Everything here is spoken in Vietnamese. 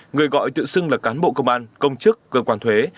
người gọi tự xưng là cán bộ công an công chức cơ quan thuế